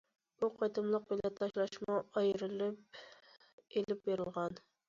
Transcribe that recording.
بۇ قېتىملىق بېلەت تاشلاشمۇ ئايرىلىپ ئېلىپ بېرىلغان.